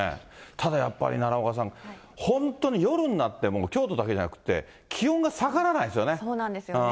ただやっぱり奈良岡さん、本当に夜になっても、京都だけじゃなくって、そうなんですよね。